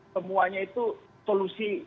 semuanya itu solusi